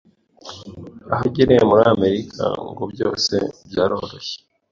Aho agereye muri Amerika ngo byose byaroroshye